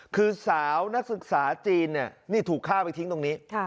คือสาวนักศึกษาจีนนี่ถูกฆ่าไปทิ้งตรงนี้